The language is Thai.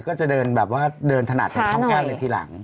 ก็จะเดินแบบว่าเดินถนัดแค่หนึ่งทีหลัง